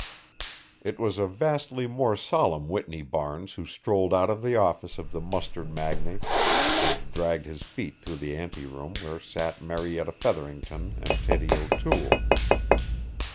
It was a vastly more solemn Whitney Barnes who strolled out of the office of the mustard magnate and dragged his feet through the anteroom where sat Marietta Featherington and Teddie O'Toole.